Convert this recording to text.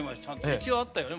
一応あったよね？